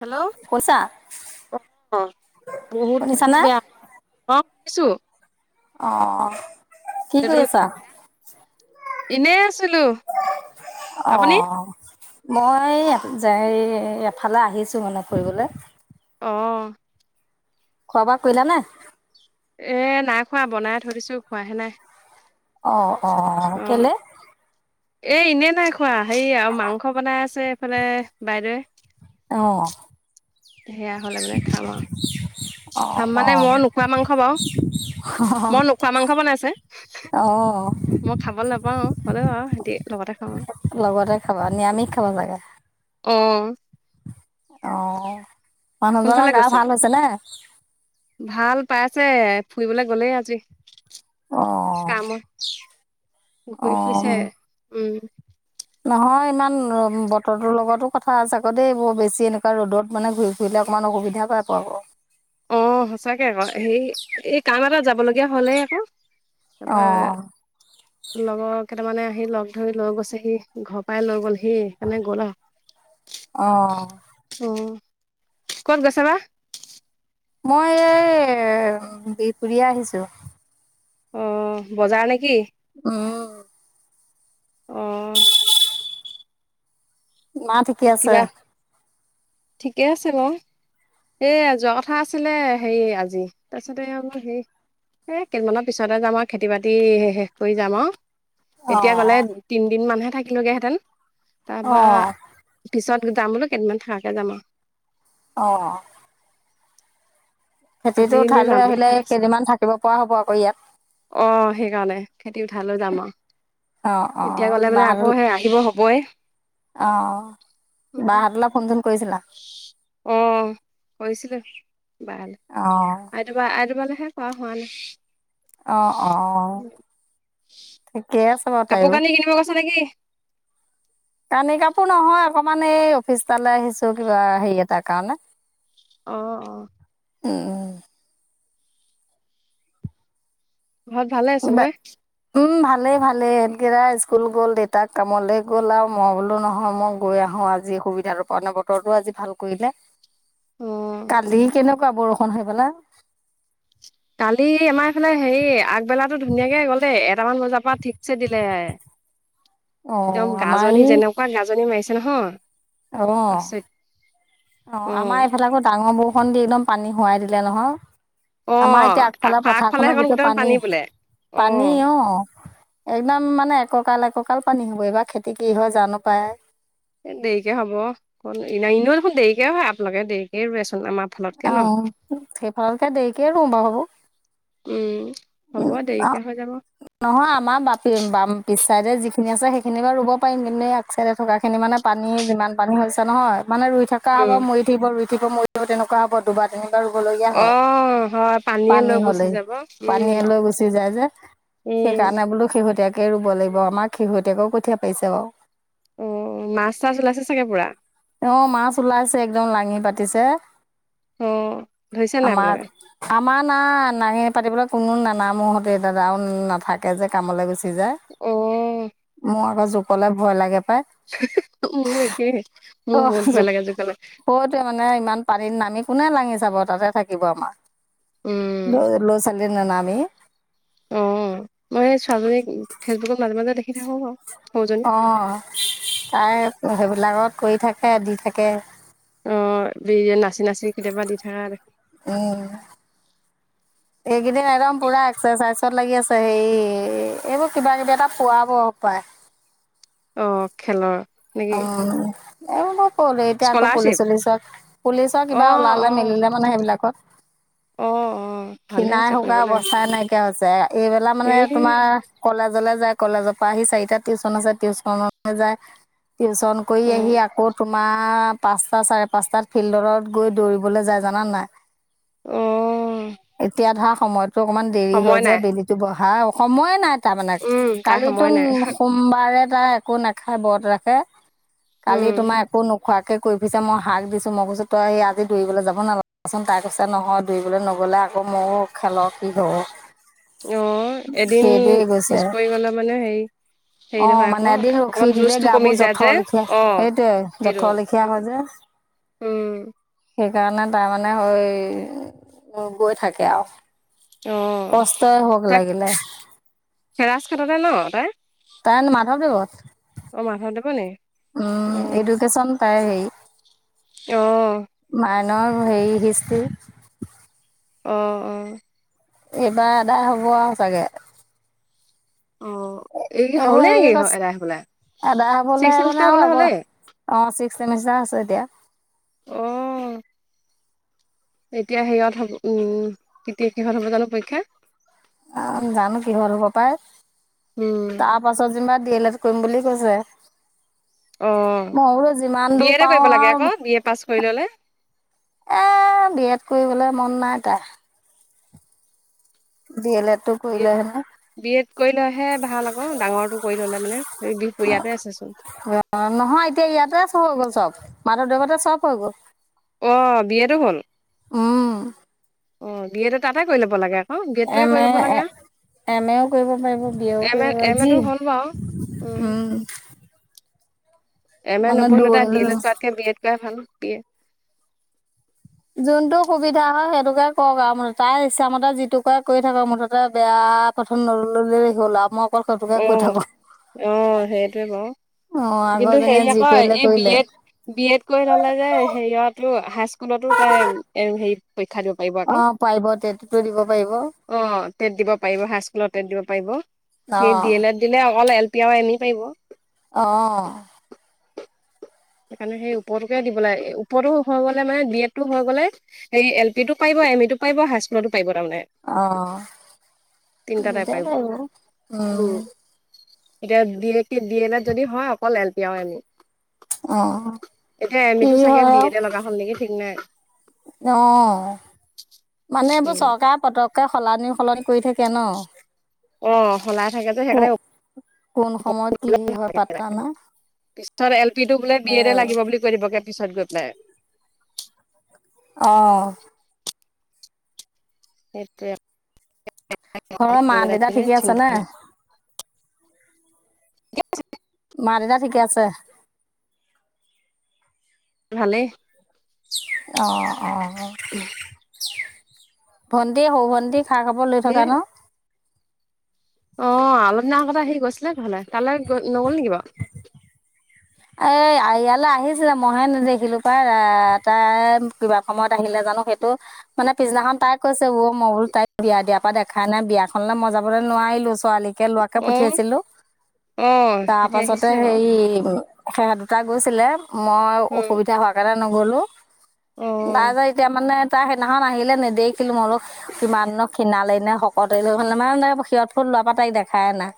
Hello? শুনিছা অ', বহুত শুনিছানে বেয়া, অ'। [unintelligible] অ'। কি কৰি নেটৱৰ্ক আছা? [inaudible] এনে আছিলো, আপুনি? মই, হেই এফালে আহিছো মানে ফুৰিবলে। অ'। খোৱা বোৱা কৰিলা নে? এ, নাই খোৱা বনাই থৈ দিছো, খোৱাহে নাই। অ', অ' কেলে? এ এনেই নাই খোৱা হেৰি আৰু মাংস বনাই আছে এইফালে বাইদেওয়ে। অঁ। সেয়া হ'লে মানে খাম আৰু। অ অ মানে মই নোখোৱা মাংস বাৰু মই নোখোৱা মাংস বনাইছে অ মই খাব নাপাওঁ হ'লেও আৰু। [unintelligible] আৰু লগতে খাবা নিৰামিষ খাব চাগে। অঁ। অঁ। কোনফালে মানুহজনৰ গা গৈছে ভাল হৈছে নে? ছে ফুৰিবলে গ'লেই আজি। অ কামত অ ঘূৰি ফুৰিছে উম। নহয় ইমান বতৰটোৰ লগতো কথা আছে আকৌ দেই বৰ বেছি এনেকুৱা ৰ'দত মানে ঘূৰি ফুৰিলে অকমান অসুবিধা পাব আৰু। অ' সঁচাকে আকৌ হে এই কাম এটা যাব লগগীয়া হলে আকৌ। অ তাৰপা লগত কেইটামানে আহি লগ ধৰি লৈ গৈছেহি ঘৰ পৰাই লৈ গ'লহি। সেই সেইকাৰণে অ [unintelligible] অঁ। ক'ত গৈছে বা মই এই বিহপুৰীয়া আহিছো। অ', বজাৰ নেকি? উম। অঁ। মা ঠিকেই আছে? ঠিকেই আছে বাৰু এইয়া যোৱা কথা আছিলে হেৰি আজি তাৰপিছতে আৰু হে এই কেইদমানৰ পিছতে যাম আৰু খেতি বাতি শেষ কৰি যাম আৰু। এতিয়া গ'লে অ'। তিনদিন মানহে থাকিলোগেহেঁতেন। তাৰপা অ', পিছত যাম বোলো কেইদিনমান থকাকে যাম আৰু। অঁ। আজি এনেই ঠাইলৈ যাম বুলি আহিলে ভাবিছো কেইদিনমান থাকিব পৰা হ'ব আকৌ ইয়াত। অঁ সেইকাৰণে খেতি উঠাই লৈ যাম আৰু অ', এতিয়া অ'। গ'লে মানে আকৌ বাহাদুল সেই আহিব হবই অ', বাহাদুললৈ ফোন চোন কৰিছিলা? অঁ কৰিছিলো। [unintelligible] অ'। আইতুবা। [unintelligible] এ কৰা হোৱা নাই। অ', অ' অ' ঠিকেই আছে। বাৰু কাপোৰ তাইও। কানি কিনিব গৈছা নেকি? [unintelligible] নহয়, অকমান এই অফিচ এতালৈ আহিছো, কিবা হেৰি এটাৰ কাৰণে। অ', অ'। উম। ঘৰত ভালে বা চবৰে? উম, ভালেই ভালেই ইহঁতকেইটা স্কুল গ'ল, দেউতাক কামলে গ'ল আৰু মই বোলো নহয়, মই গৈ আহো আজি সুবিধাটো পাওঁতে, বতৰটো আজি ভাল কৰিলে। অ', কালি কিনো [unintelligible] বৰষুণ হৈফালে? কালি আমাৰ এইফালে হেৰি, আগ আগবেলাটো ধুনীয়াকে গ'ল দে এটামান বজাৰ পৰা ঠিকছে দিলে। অ' একদম আমাৰ গাজনি এই যেনেকুৱা, গাজনি মাৰিছে নহয়। আচৰিত অ'। অ', আমাৰ এইফালে আকৌ ডাঙৰ বৰ [unintelligible] দি একদম পানী হোৱাই দিলে নহয়। আমাৰ অ', এতিয়া আগফালৰ আগফা আগফালে পথাৰখনত সেইকণ গোটেই গোটেইখন পানী। বোলে। পানী অ', একদম মানে একক ককাল, এককাল পানী হ'ব এইবাৰ খেতি কি হয়, জানো পায়। দেৰিকে হ'ব ক' ইনেও দেখোন দেৰিকে হয়, আপোনালোকে দেৰিকে ৰোৱে চো অ', সেইফালকে দেৰিকে ৰোও, বাৰু। উম। উ, হ'ব অ', দেৰিকে হৈ যাব নহয় আমাৰ বাপে বাম পিছচাইডে যিখিনি আছে সেইখিনি বাৰু ৰুব পাৰিম, কিন্তু এই আগচাইডে থকাখিনি মানে পানী যিমান পানী হৈছে নহয় মানে ৰুই থকা হ'ব, উম মৰি থাকিব ৰুই থাকিব মৰি [unintelligible] তেনেকুৱা হ'ব দুবাৰ তিনি অ', হয়, পানীয়ে পানী লৈ গুচি হ'লে যাব। উম পানীয়ে লৈ গুচি যায় যে, উম সেইকাৰণে বোলো শেহতীয়াক কে, ৰুব লাগিব আমাৰ শেহতীয়াকে কঠীয়া পাইছে বাৰু। অ', মাছ, চাছ ওলাইছে চাগে পুৰা? অ', মাছ ওলাইছে, একদম লাঙি পাতিছে। অ ধৰিছে নাই আমাৰ আপোনালোকে আ আমাৰ না, নাঙি পাতিবলৈ কোনো নানামো হঁতে দাদায়ো নাথাকে যে, কামলৈ গৈছে যে, অ ম জুকলে ভয় লাগে পায় মু একেই। মোৰ অ বহুত ভয় জোক লাগে জোকলে কটো মানে ইমান। পানীত নামি কোনে লাঙি চাব তাতে থাকিব আমাৰ। ল উম ল চ [inaudible] ন [inaudible] নামি অ মই সেই ছোৱালীজনীক, ফেচবুকত মাজে মাজে দেখি থাকো বাৰু। সৰুজনী অ তাই সেইবিলাকত। কৰি থাকে দি থাকে। অ যিয়ে নাচি-নাচি কেতিয়াবা দি থাকা দেখো। উ। এইকেইদিন একদম পুৰা এক্সেচাইজ। ছত লাগি আছে হে এইবোৰ কিবা কিবি এটা পোৱাব হ'ব পায়। অ খেলৰ। নেকি অ। অ মই। হলেও অকৌ এতিয়া আকৌ পুলিচ স্কলাৰশ্বিপ চুলিচত। পুলিচৰ অ কিবা ওলালে অ মেলিলে মানে সেইবিলাকত অ অ ভালে ক্ষীণাই হৈছে কৰিব শুকাই লাগে অৱস্থাই নাইকিয়া হৈছে। সেইয়া। এইবেলা মানে এই তোমাৰ কলেজ। কলেজেলৈ যায় কলেজৰ পৰা আহি চাৰিটা টিউশন আছে টিউশনটো যায়। টিউচন কৰি অ আহি আকৌ তোমাৰ। মা পাঁচটা চাৰে পাঁচটাত ফিল্ডৰলৈ গৈ দৌৰিবলৈ যায় জানান নাই? অ এতিয়া ধৰা। সময়ত। টো অকমান দেৰি হৈ সময় যে নাই বেলিটো বহ হাও সময় নাই। তাৰ মানে উম তাই কালি সময় তোন নাই সোমবাৰে তাই একো নাখায় ব্ৰত ৰাখে। কালি উম তোমাৰ একো নোখ খোৱাকৈ কৰি ফুৰিছে মই হাক দিছোঁ। মই কৈছোঁ তই আজি দৌৰিবলৈ যাব নালাগে চোন। তাই কৈছে নহয় দৌৰিবলৈ নগ'লে আকৌ ময়ো খেল কি হ'ব। অ এদিন সেইদৰে গৈছে পিছ পৰি গলে মানে হে হেৰি অঁ নহয় মানে আকৌ এদিন ৰখি অকমান দিলে জোজটো কমি গাবোৰ যায়। যে জঠৰ লেখীয়া অ সেইটোৱে সেইটো জথৰ লেখীয়া উম হয় যে সেই। উম সেইকাৰণে তাই মানে হৈ গৈ থাকে আৰু। অ, কষ্টই হওক তাই লাগিলে খেৰাচ খাটতে ন? তাই তাই এনে মাধৱদেৱত? অ মাধৱদেৱৰ নেকি? উম এডুকেশ্যন পায় হেৰি। অহ। আইনৰ হেৰি হিষ্ট্ৰ্ৰী। অহ অ। এইবাৰ এদাই হ'ব আৰু চাগে। অ এই হ'লে এইবোৰ নেকি হেৰি কছে এদাই হবলা আদা ছিক্স হবলে মানে চেমিষ্টাৰ আৰু হবলা হাব হ'লে অ চিক্স চমষ্টাৰ [unintelligible] অহ। এতিয়া শেহত হব উম কেতিয়া শেষত হ'ব জানো পৰীক্ষা? অ জানো কিহৰ হ'ব পাই। উম তাৰ পাছত যেনিবা ডি এল এড কৰিম বুলি কৈছে। অ মই বোলো যিমান বি দূৰ এডে পাওঁ কৰিব লাগে আকৌ আৰু, বি এ পাছ কৰি ললে এ বি এড কৰিবলে মন নাই তাৰ। এডটো বি এড কৰিলে হেনো বি এড কৰিলেহে ভাল আকৌ ডাঙৰটো কৰি ললে মানে, বিহপুৰীয়াতে আছেচোন। মাধৱ দেৱতে চব হৈ গ'ল। অহ বি এডো হল। উম অহ বি এড এ তাতে কৰি ল'ব লাগে। আকৌ বি এডটোকে এম কৰি এ ল'ব লাগে -এম এও কৰিব পাৰিব বি এও এম এ কৰিব এম পাৰিব এটো হ'ল বাৰু যি উম। এম এ মানে নপঢ়িলে তাই ডি দূৰণিলৈ এল এ যাব কৰাতকে বি এড কৰাই ভাল। [unintelligible] যোনটো সুবিধা হয় সেইটোকে কওক আৰু [unintelligible] তাই ইচ্ছামতে যিটো কৰে কৰি থাকক মুঠতে বেয়া প্ৰথম নললে হ'ল আৰু মই অকল সেইটোকে কৈ অ', থাকো অ', সেইটোৱে বাৰু অ কিন্তু আগৰজনীয়ে হেৰি যি আকৌ কৰিলে এই বি কৰিলে এড-বি এড কৰি ললে যে হেৰিয়টো হাইস্কুলতো তাই [unintelligible] হেৰি পৰীক্ষা দিব পাৰিব অ আকৌ পাৰিব টেটটো দিব পাৰিব অ, তেট দিব পাৰিব হাইস্কুলত তেট দিব পাৰিব। অ সেই দি এলেড দিলে অকল এল [unintelligible] পাৰিব। অ', সেইকাৰণে সেই ওপৰতোকে দিব লাগে ওপৰটো হৈ গ'লে মানে বি এড টো হৈ গ'লে সেই এল পি টো পাৰিব এম ই টো পাৰিব হাইস্কুলতো পাৰিব তাৰমানে অ, তিনিটাতে দে পাৰিব আৰু উম, এতিয়া [unintelligible] [unintelligible] দি এ লেড যদি হয় অকল এল [unintelligible] অ এতিয়া এম কি ইটো চাগে হয় বি আৰু এতে লগা হ'ল নেকি ঠিক নাই! অ মানে এইবোৰ উম চৰকাৰে পতক কে সলানি সলনি কৰি থাকে ন। অ' সলাই থাকে যে কো সেইকাৰণে কোন সময়ত কি হয় পাত্তা [unintelligible] নাই। পিছত এল পিটো বোলে বি এড উম। লাগিব বুলি কৈ দিব গে পিছত গৈ পেলে। অ'। এইটোৱে। ঘৰৰ মা দেউতা ঠিকে আছে নে? দিয়া পিছে। মা দেউতা ঠিকে আছে? ভালে। অ', অ'। অহ। ভন্দে হও ভন্দে চাহ খাব লৈ থকা সেই ন'। অ' অলপ দিনা আগতে আহি গৈছিলে নহলে তালৈ নগ'ল নেকি বাৰু? এ ইয়ালৈ আহিছিলে মইহে নেদেখিলো পাই এ তাই কিবা সময়ত আহিলে জানো সেইটো মানে পিছদিনাখন তাই কৈছে উঅ ম বুলো তাই বিয়া দিয়াৰ পৰা দেখা নাই বিয়াখনলৈ মই যাবলৈ নোৱাৰিলো ছোৱালীক একে লোৱাকে অ পঠিয়াইছিলো, অ তাৰ সিহঁতি পাছতে আহিছিলে বাৰু হেৰি সেহেত দুটা গৈছিলে। মই উম অসুবিধা হোৱাৰ কাৰণে নগ'লো অ নাই যায় এতিয়া মানে তাই সেইদিনাখন আহিলে নেদেখিলো মই বোলো কিমান নো ক্ষিণালে নে শকত হলে মানে শিৰত ফুল লোৱাৰ পৰা তাইক দেখাই নাই।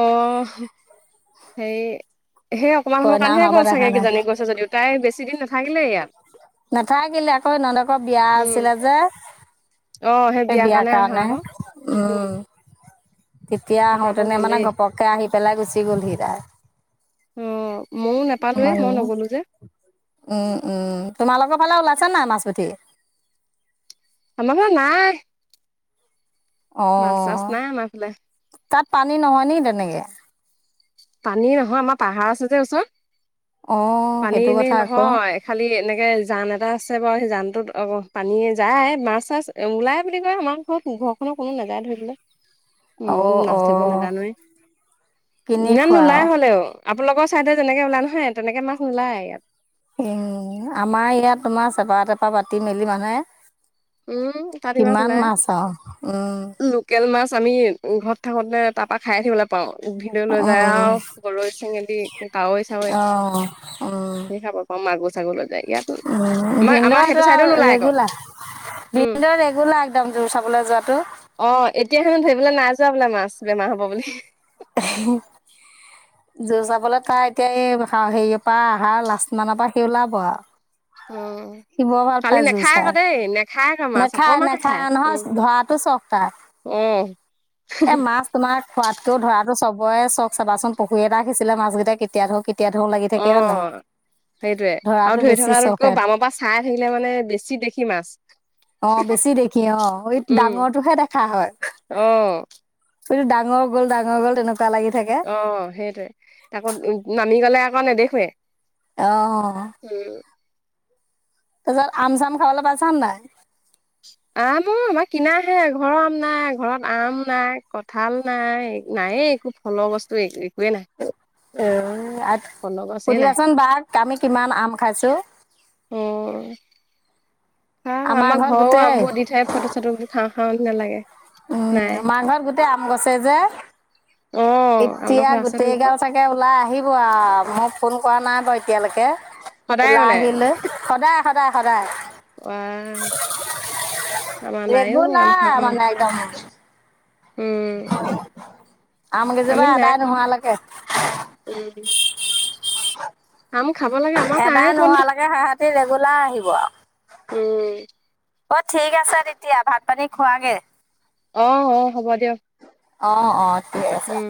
অহ হেৰি সেই অকণমান সময় কইনা কাৰণে হোৱাৰ পৰা গ'ল দেখা চাগে নাই কিজানি গৈছে যদিও তাই বেছি দিন নাথাকে। থাকিলে ইয়াত নাথাকিলে আকৌ নন্দকৰ বিয়া উম, আছিলে যে। অ', সেই সেই বিয়াৰ আহা কাৰণে, আকৌ উম। তেতিয়া তাৰপৰা আকৌ আহোতেনে মানে গ'লেই। ঘপককে আহি পেলাই গুচি গলহি তাই। অ', ময়ো উম নেপালোৱে মই নগ'লো যে উম উম, তোমালোকৰ ফালা ওলাইছে নাই মাছ পুঠি? আমাৰফালে নাই। মাছ চাছ অ', নাই আমাৰ ফালে। তাত পানী নহয় নি তেনেকে? এয়া পানী নহয় আমাৰ পাহাৰ আছে যে ওচৰত। অ পানী সেইটো কথা এনেই আকৌ নহয় খালি এনেকে জান এটা আছে বাৰু সেই জানটোত অ' পানীয়ে যায়, মাছ চাছ ওলাই বুলি কয়। আমাৰ ঘৰত, ঘৰখনৰ কোনো নাযায় ধৰিবলে। অহ অহ। ইমান নোলাই হ'লেও আপোনালোকৰ ছাইডে যেনেকৈ ওলায় নহয়, তেনেকৈ মাছ নোলায় ইয়াত। উম, আমাৰ ইয়াত তোমাৰ চেপা-তেপা পাতি মেলি মানে। উম তাত ইমান ওলাই উম, লোকেল মাছ আমি ঘৰত থাকোতে তাৰ পৰা খাইয়ে থাকিবলৈ পাওঁ। উ ভিনদেউয়ে লৈ যায় উম, আৰু গৰৈ, চেঙেলী, কাৱৈ-চাৱৈ অ', উম, ধেৰ খাব পাওঁ, মাগুৰ-চাগুৰ। ছাগলে উম, ভিনদেউটো আৰু নোলায় আকৌ ৰেগুলাৰ। উম ভিনদেউৰ ৰেগুলাৰ একদম জোৰ চাবলৈ যোৱাটো। অ' এতিয়া হেনো ধৰিবলে নাই যোৱা বোলে মাছ বেমাৰ হ'ব বুলি। জোৰ চাবলে কা এতিয়া এই হেৰিয়ৰ পৰা আহাৰৰ লাষ্ট মানৰ পৰা সি ওলাব আৰু। অ সি বৰ ভাল কালি পায় জোৰ নেখায় আকৌ চাই, দেই নেখায় আকৌ মাছ নেখায়, অকমানহে নেখায় খায় নহয় উম ধৰাতো চখ তাৰ, অ এ মাছ তোমাৰ খোৱাতকেও ধৰাতো চখ হয়েই চখ চাবাচোন, পুখুৰী এটা সিচিলে মাছ গীতা কেতিয়া ধৰো, কেতিয়া ধৰো লাগি থাকে হয় নহয় অ' সেইটোৱে আৰু ধৰাটো ধৰি বেছি চখ থকাতকৈও সিহঁতৰ বামৰ পা চা চাই থাকিলে মানে বেছি দেখি মাছ অ বেছি দেখি অ এই উম, ডাঙৰটোহে অ'। ইটো ডাঙৰ গ'ল ডাঙৰ গ'ল তেনেকা অ' সেইটোৱে আকৌ উ নামি গ'লে মই নেদেখোয়ে। অ'। তাৰপিছত আম-চাম খাবলৈ পাইছা নে নাই? আম অ' আমাৰ কিনাাহে ঘৰৰ আম নাই, ঘৰত আম নাই, কঠাল নাই, নায়ে একো ফলৰ বস্তু। একোৱে নাই এ ফলৰ গছে নাই সুধিবাচোন বাক আমি কিমান আম খাইছো। অ'। খা আমাৰ ঘৰত ঘৰৰো গোটেই আমবোৰ দি থয় ফটো-চটো বোৰ খা খাও। নালাগে। উম, আমাৰ ঘৰত গোটেই আম গছেই যে। অ', এতিয়া আমলখি আছে গোটেই তোমালোকৰ গাল চাগে ওলাই আহিব আৰু মোক ফোন কৰা নাই বাৰু এতিয়ালৈকে। সদায় ওলাই আহিলৈ সদায় স সদায়, সদায়। ৱাও আমাৰ নাই অ' আম খাবৰ ৰেগুলাৰ কাৰণে মানে একদম [inaudible] আমি আমকেইজোপা নাই আদায় খোৱা নোহোৱালৈকে। উম, আম খাব লাগে আমাৰ নাই এবাৰ ক'তনো নোহোৱালৈকে সেহতি ৰেগুলাৰ আহিব। উম, অ' ঠিক আছে তেতিয়া ভাত পানী খোৱা গে। আহ অ হ'ব দিয়ক। অ অ। ঠিক আছে উম।